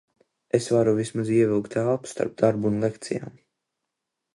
Es varu vismaz ievilkt elpu starp darbu un lekcijām.